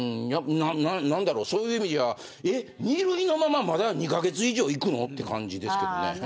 そういう意味じゃ２類のまま、まだ２カ月以上いくのって感じですけどね。